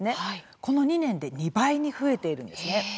この２年で２倍に増えているんですね。